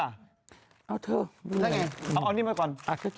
เอาอันนี้มาก่อน